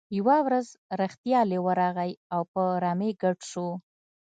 یوه ورځ رښتیا لیوه راغی او په رمې ګډ شو.